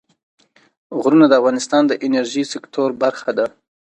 غرونه د افغانستان د انرژۍ سکتور برخه ده.